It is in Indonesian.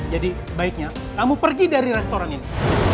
jadi sebaiknya kamu pergi dari restoran ini